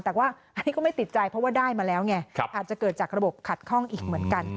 แต่ว่าอันนี้ก็ไม่ติดใจเพราะว่าได้มาแล้วไงอาจจะเกิดจากระบบขัดข้องอีกเหมือนกัน